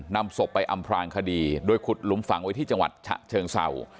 นำศพไปอำพลางคดีโดยขุดหลุมฝังไว้ที่จังหวัดฉะเชิงเศร้า